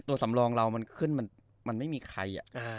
สำรองเรามันขึ้นมันไม่มีใคร